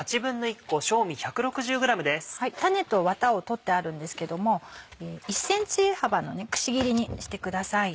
種とワタを取ってあるんですけども１ｃｍ幅のくし切りにしてください。